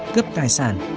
cướp tài sản